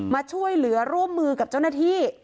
มาช่วยเหลือร่วมมือกับเจ้าหน้าที่